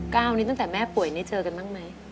ก้าวนี้ตั้งแต่แม่ป่วยนี่เจอกันบ้างไหม